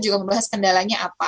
kita harus membahas kendalanya apa